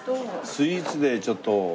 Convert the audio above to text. スイーツでちょっと。